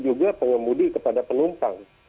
juga pengemudi kepada penumpang